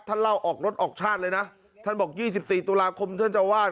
เล่าออกรถออกชาติเลยนะท่านบอก๒๔ตุลาคมท่านเจ้าวาด